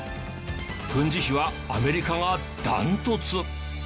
軍事費はアメリカがダントツ。